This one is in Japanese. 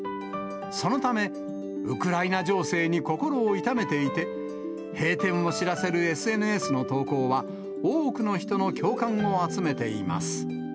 そのため、ウクライナ情勢に心を痛めていて、閉店を知らせるＳＮＳの投稿は、多くの人の共感を集めています。